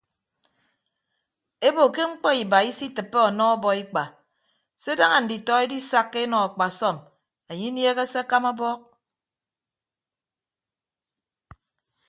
Ebo ke mkpọ iba isitịppe ọnọ ọbọikpa se daña nditọ edisakka enọ akpasọm anye inieehe se akama abọọk.